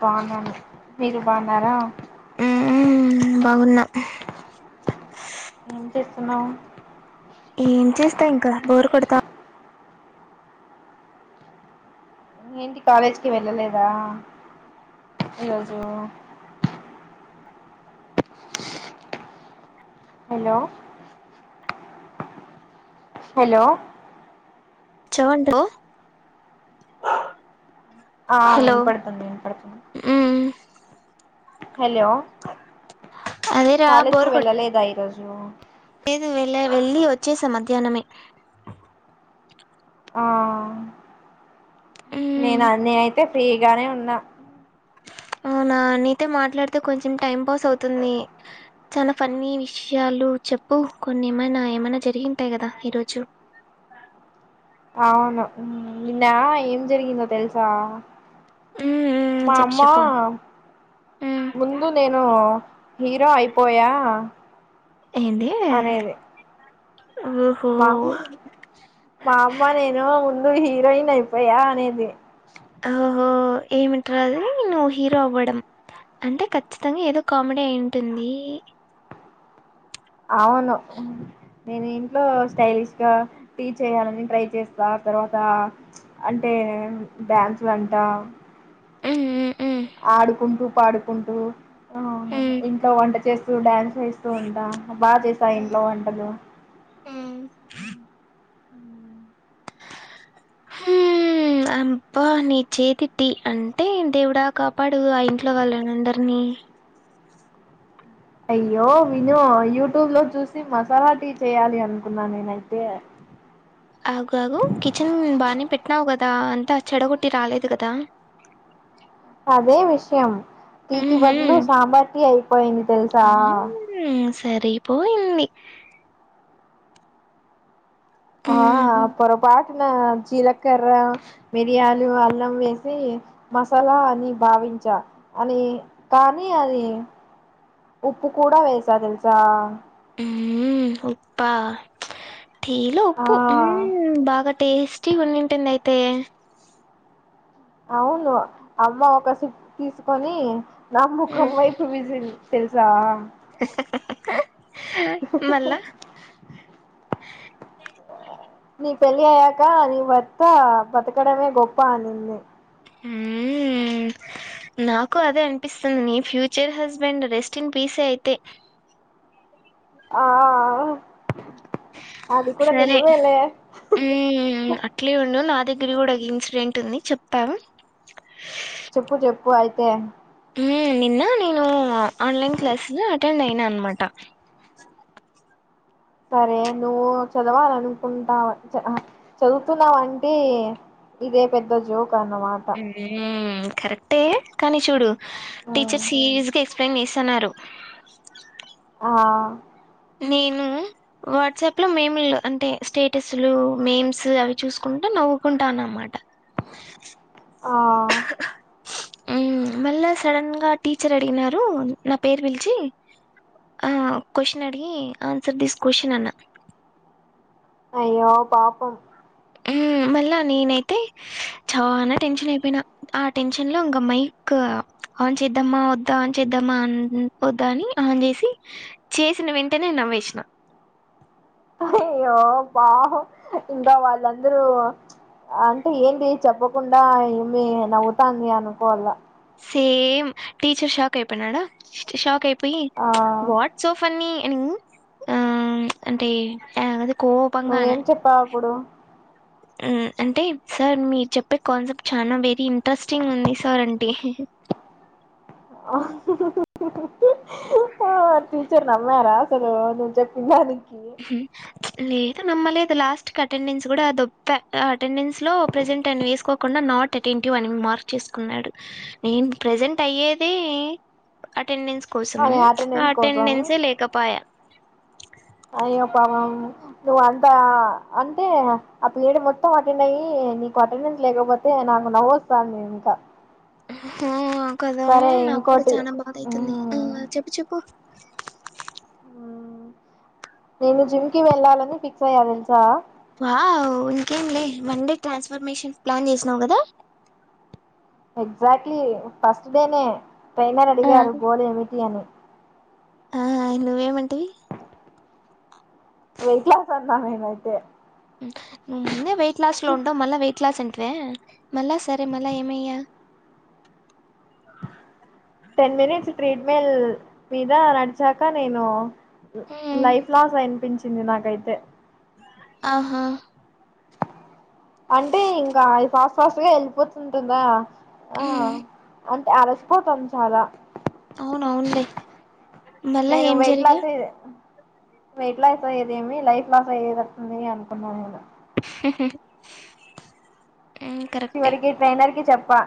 బాగున్నా మీరు బాగున్నారా మ్మ్ బాగున్నా ఏం చేస్తున్నావు ఏం చేస్తా ఇంకా బోరు కొడతా ఏంటి కాలేజ్కిి వెళ్ళలేదా ఈరోజు హలో హలో చూంట [unintelligible] ఆ వినపడుతుంది వినపడుతుంది మ్మ్ హలో అదేరా కాలేజ్కి బోర్ కొట్ వెళ్ళలేదా ఈరోజు జో లేదు వెళ్ళ వెళ్లి వచ్చేసా మధ్యాహ్నమే ఆ మ్మ్ నేను అన్నీ అయితే ఫ్రీగానే ఉన్నా అవునా నీతో మాట్లాడితే కొంచెం టైం పాస్ అవుతుంది చాలా ఫన్నీ విషయాలు చెప్పు కొన్ని ఏమైనా ఏమైనా జరిగింటాయి కదా ఈరోజు అవును నిన్న ఏం జరిగిందో తెలుసా మ్మ్ మ్మ్ మా చెప్పు అమ్మ చెప్పు మ్మ్ ముందు నేను హీరో అయిపోయా ఏంది ఓహో బామ్మ మా అమ్మ నేను ఉ నేను హీరోయిన్ అయిపోయా అనేది ఓహో ఏమిటి రా ఆది నువ్వు హీరో అవ్వడం అంటే ఖచ్చితంగా ఏదో కామెడీ అయి ఉంటుంది అవును నేను ఇంట్లో స్టైలిష్ గా టీ చేయాలని ట్రై చేస్తా తర్వాత అంటే డ్యాన్సు వంట మ్మ్ మ్మ్ మ్మ్ ఆడుకుంటు పాడుకుంటూ అ మ్మ్ ఇంకా వంట చేస్ [unintelligible] డాన్స్ చేస్తువుంట బాగా చేస్తా ఇంట్లో వంటలు హ్మ్ హుమ్ అబ్బ నీ చేతి టీ అంటే దేవుడా కాపాడు ఆ ఇంట్లో వాళ్ళను అందరినీ అయ్యో విను యూట్యూబ్ లో చూసి మసాలా టీ చేయాలి అనుకున్నా నేనైతే అగు ఆగు కిచెన్ బానే పెట్నావ్ కదా అ అంత చెడగొట్టి రాలేదు కదా అదే విషయం టీ కి ఊహూ బదులు సాంబార్ టీ అయిపోయింది తెలుసా మ్మ్, సరిపోయింది ఆ మ్మ్, పొరపాట్ జీలకర్ర మిరియాలు అల్లం వేసి మసాలా అని భావించా అని కానీ అది ఉప్పు కూడా వేసా తెలుసా ఉమ్ ఉప్పా టీలో ఆ ఉప్పు ఉమ్ బాగా టేస్టీగా ఉన్నింటుంది అయి తె అవును అమ్మ ఒక [unintelligible] తీసుకొని నా ముఖం వైపు విసిరింది తెలుసా మళ్ళ నీ పెళ్ళి అయ్యాక నీ భర్త బతకడమే గొప్ప అనింది. ఊ నాకు అదే అనిపిస్తుంది నీ ఫ్యూచర్ హస్బెండ్ రెస్టిఇన్న్ పీసే అయితే ఆ ఆ సరే ఊ అట్లే ఉండు నాది ది కూడ ఒక ఇన్సిడెంట్ ఉంది చెప్తాను. చెప్పు చెప్పు అయితే ఊ నిన్న నేను ఆన్లైన్ క్లాస్ అటెండ్ అయినా అనమాట సరే నువ్వు చదవాల అనుకుంటావ చదువుతున్నావంటే ఇదే పెద్ద జోక్ అన్నమాట ఏయ్ కరెక్టే కానీ చూడు టీచర్స్ ఈజీగా ఎక్స్ప్లెయిన్ చేస్తన్నారు. ఆ నేను వాట్సాప్ లో మేము అంటే స్టేటస్లు నేమ్స్ అవి చూసుకుంటా నవ్వుకుంటాన్నమాట. ఆ ఊ మళ్ళా సడన్ గా టీచర్ అడిగినారు. నా పేరు పిలిచి ఆ క్వేషన్ అడిగి ఆన్సర్ దిస్ క్వెషన్ అన్నారు. అయ్యో పాపం ఊ మళ్ళా నేనైతే చాలా టెన్షన్ అయిపోయిన ఆ టెన్షన్ లో ఇంకా మైక్ ఆన్ చేద్దామా వద్దా ఆన్ చేద్దామా అన్ వద్దా అని ఆన్ చేసి చేసిన వెంటనే నవ్వేసిన బౌ బా ఇంకా వాళ్ళందరూ అంటే ఏంటి చెప్పకుండా ఏమి నవ్వుతాంది అనుకోవల్ల సేమ్ టీచర్ షాక్ అయిపోయానాడా షాక్ అయిపో పోయి ఆ వాట్ సో ఫన్నీ నీ ఆ అంటే యా నువ్వేం చెప్పావ్ అప్పుడు అ అంటే సార్ మీరు చెప్పే కాన్సెప్ట్ చానా వెరీ ఇన్ట్రస్టింగ్ ఉంది సార్ అంటే ఆ ఆ టీచర్ నమ్మారా అసలు నేను చెప్పిందానికి హు లేదు నమ్మలేదు లాస్ట్కిఅటెండెన్స్ కూడా దొబ్ప్ప అటెండెన్స్ లో ప్రెజెంట్ అని వేసుకోకుండా నాట్ అటెంటివ్ అని మార్క్ చేసుకున్నాడు. నేను ప్రజెంట్ అయ్యేదే అటెండెన్స్ కోసము అని అటెండెన్స్ కోసం అటెండెన్స్ లేకపాయా అయ్యో పాపాం నువ్వు అంతా అంటే ఆ పీరియడ్ మొత్తం అటెండ్ అయ్యి నీకు అటెండెన్స్ లేకపోతే నాకు నవ్వొస్తాంది ఇంకా ఆ కదా సరే నాకు కూడా ఇంకోటి చానా బాధఅయితుంది. ఆ మ్మ్ చెప్పు చెప్పు నేను జిమ్కి వెళ్ళాలని ఫిక్స్ అయ్యా తెలుసా వావ్ ఇంకేం లే వండే ట్రాన్స్ఫర్మేషన్ ప్లాన్ చేసినావు కదా ఎక్జాక్ట్లీ ఫస్ట్డేనే ట్రైనర్ ఆ అడిగారు గోల్ ఏమిటి అని ఆ, [unintelligible] వెయిట్ లాస్ అన్నా నేన్ అంటే [unintelligible] ముందే వెయిట్ లాస్ లో ఉంటం వల్ల మళ్ళ వెయిట్ లాస్ంట మళ్ళా సరే మళ్ళా ఏమయ్యా టెన్ మినిట్స్ ట్రెడ్మెల్ మీద నడిచాక నేను ఉమ్, లైఫ్ లాస్ అనిపించ ది నాకైతే ఆ హా.. అంటే ఇంకా అది ఫాస్ట్ ఫాస్ట్ గ ఎలిపోతుంటుందా మ్ అలసిపోతాం చాలా అవును అవునులే నేను వెయిట్ లాస్ అయిదె వెయిట్ లాస్ అయ్యేదేమి లైఫ్ లాస్ అయ్యేటట్టుంది అనుకున్నాను నేను [unintelligible] కరెక్టే చివరికి ట్రైైనర్కి చెప్ప పా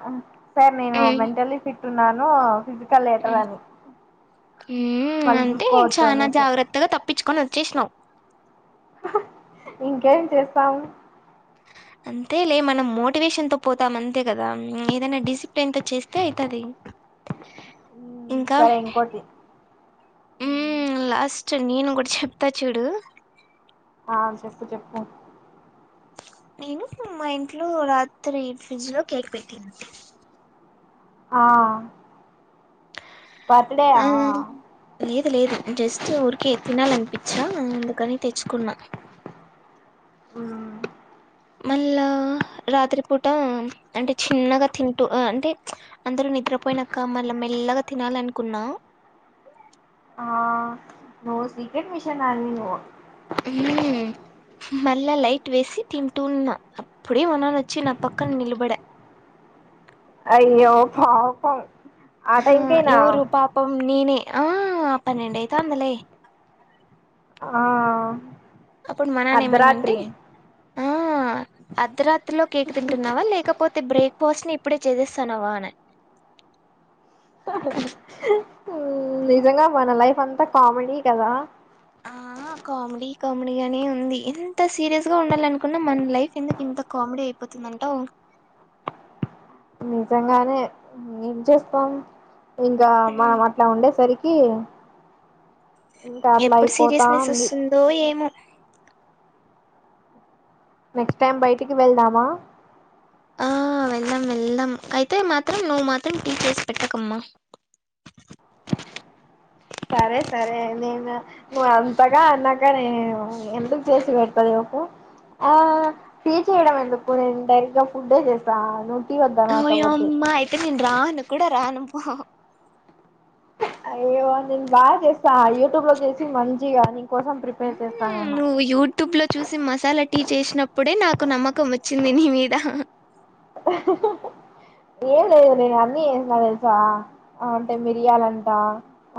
సార్ నేను మెంటల్లీ ఫిట్ నాను ఫజ [unintelligible] మ్ మ్.. మళ్ళీ అంటే చూసుకోవచ్చు చానా అనేసి జాగ్రత్తగా తప్పిచ్చుకోని వచ్చేసినావు ఇంకేం చేస్తాము అంతే లే మనం మోటివేషన్ తో పోతాం అంతే కదా ఏదైనా డిసిప్ ఎంత చేస్తే అయితది ఇంకా సరే ఇంకోటి మ్.. లాస్ట్ నేను కూడా చెప్తా చూడు ఆ చెప్పు చెప్పు నేను మా ఇంట్లో రాత్రి ఫ్రిడ్జ్ లో కేక్ పెట్టిన ఆ... ఆ లేదు లేదు జస్ట్ ఊరికే తినాలనిపించా మ్ అందుకని తెచ్చుకున్నా మ్.. మళ్ళా రాత్రి పూట అంటే చిన్నగా తింటూ అంటే అందరూ నిద్రపోయినాక మళ్ళా మెల్లగా తినాల అనుకున్నా నువు సీక్రెట్ మిషన్ అని నువు మ్... మళ్ళా లైట్ వేసి తింటూన్నా అప్పుడే మా న్నాన వచ్చి నా పక్కన నిలబడ అయ్యో పాపం ఆ యవరు పాపం నేనే ఆ అ పన్నెండయితంది లే ఆ అప్పుడు మననేమన్నంటే అర్ధరాత్రి ఆ అద్ద రా రీలో కేక్ తింటున్నావా లేకపోతే తే బ్రేక్ఫాస్ట్ ని ఇప్పుడే చేేస్తానవా అన మ్ నిజంగా మన లైఫ్ అంత కామెడీ కదా ఆ కామిడి కామెడీ గానే ఉంది ఎంత సీరియస్ గా ఉండాలనుకున్న మన లైఫ్ ఎందుకు ఇంత కామెడీ అయిపోతుంది అంటావ్ నిజంగానే ఏం చేస్తాం ఇంకా మనం అట్లా ఉండేసరికి కీ ఎప్పుడు సీరియస్నెస్ వస్తుందో ఏమో నెక్స్ట్ టైం బయటికి వెళ్దామా ఆ వెళ్దాం వెళ్దాం అయితే మాత్రం నువ్వు మాత్రం టీ చేస్ పెట్టకమ్మా సరే సరే నేను నువ్వు అంతగా అన్నాక నేను ఎందుకు చేసి పెడత చెప్పు ఆ టి చేయడం ఎందుకు నేను డైరెక్ట్గా ఫుడ్డే చేస్తా ను ఓయమ్మ అయితే నేను రాను కూడా రాను అయ్యో నేను బాగా చేస్తా యూట్యూబ్ లో చేసి మంచిగాని కోసం ప్రిపేర్ చేశా మ్మ్ నేను నువ్వు యూట్యూబ్ లో చూసి మసాలా టీ చేసినప్పుడే నాకు నమ్మకం వచ్చింది నీ మీద ఏం లేదు నేను అన్నీ చేసినా తెలుసా అంటే మిరియాల అంటా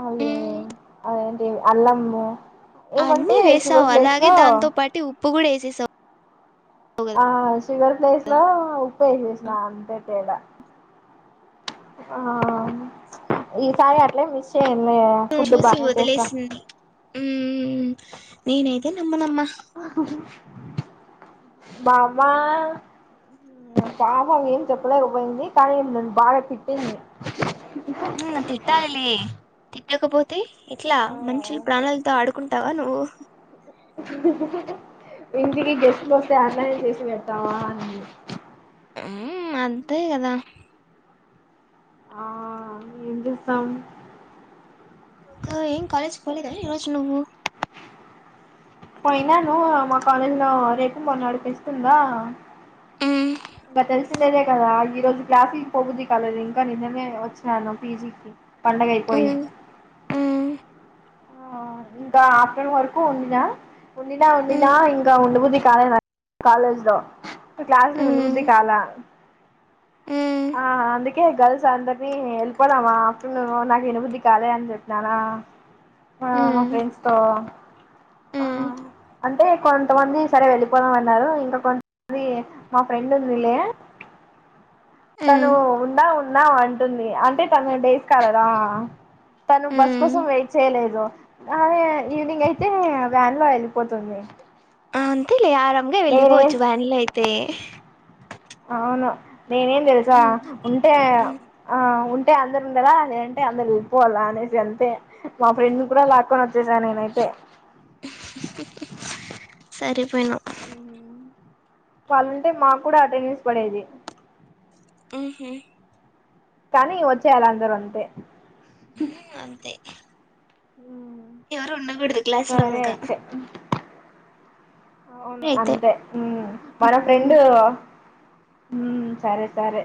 అదే మ్మ్ అదేంటీ అల్లము అన్నీ ఏమంటే వేశావు షుగర్ ప్లేస్ అలాగే లో దాంతోపాటి ఉప్ ఉప్పు కూడా వేసేసావ్ ఆ షుగర్ ప్లేస్ లో ఉప్పు వేసేసిన అంతే తేడా ఆ ఈ సారి అట్లే మిస్ చేయ ను చూసి వదిలేసింది ఉం నేనైతే నమ్మ నమ్మ మా అమ్మ పాపం ఏం చెప్పలేకపోయింది కానీ నన్ను బాగా తిట్టింది ంగ తిట్టాలి లే తిట్టకపోతే ఇట్లా మంచుల్ ఆ ప్రాణాలతో ఆడుకుంటావా నువ్వు ఇంటికి గెస్ట్ లు వస్తే అట్లనే చేసి పెడతావా అని ఉమ్ అంతే కదా ఆ ఏం చేస్తాం సకా ఏంగ్ కాలేజ్ పోలేదా ఈరోజు నువ్వు పోయినాను మా కాలేజీ లో రేపు మొన్న అడిపిస్తుందా హమ్ ఇంకా తెలిసిందేదే కదా ఈ రోజు క్లాసుకి పో బుద్ధి కాలేదు ఇంకా నిన్ననే వచ్చినాను పీజీకి పండగ అయిపోయి ఆ ఇంకా ఆఫ్టర్నూన్ వరకు ఉన్నా ఉండినా ఉండినా ఇంగా ఉండబుద్ధి క కాల నాకు కాలేజ్ లో క్లాస్ లో ఉండ బుద్ధి కాల ఆ అందుకే గర్ల్స్ అందరినీ వెళ్ళిపోదమా ఆఫ్టర్నూన్ నాకు ఎనబుద్ధి కాలే అని చెప్పన్నానా మా ఫ్రెండ్స్ తో ఆ అంటే కొ కొంతమంది సరే వెళ్ళిపోదాం అన్నారు ఇంకా కొంతమంది మా ఫ్రెండ్ ఉందిలే తను ఉందా ఉన్నం అంటుంది అంటే తను డే స్కాలర్ ఆ తను బస్ కోసం వెయిట్ చేయలేదు అదే ఈవినింగ్ అయితే వ్యాన్ లో వెళ్ళిపోతుంది ఆ అంతే లే ఆరాం గా నేనే వెళ్ళిపోవచ్చు వ్యాన్లో అయితే అవును నీ నేమ్ తెలుసా ఉంటే ఆ ఉ అంటే అందరు ఉండాలా లే అంటే అందరూ వెళ్ళిపోవాలా అనేసి అంతే మా ఫ్రెండ్ కూడా లాక్కొని వచ్చేసాను నేనైతే సరిపోయినవ్ వాళ్ళుంటే మాకు కూడా అటెండెన్స్ పడేది ఉహు కానీ వచ్చేయలా అందరూ అంతే అంతే ఉమ్ ఎవరు ఉండకూడదు క్లాస్ లో సరే ఉంకా అయితే అవును అంతేఉమ్ మన ఫ్రెండు హ్మ్ సరే సరే